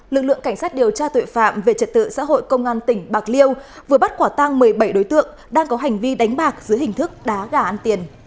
lực lượng cảnh sát điều tra tội phạm về trật tự xã hội công an tỉnh bạc liêu vừa bắt quả tăng một mươi bảy đối tượng đang có hành vi đánh bạc dưới hình thức đá gà ăn tiền